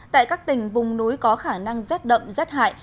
tại các tỉnh vùng núi có khả năng rét đậm rét hại